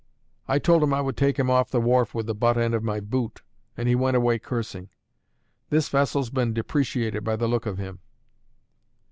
I told him I would take him off the wharf with the butt end of my boot, and he went away cursing. This vessel's been depreciated by the look of him."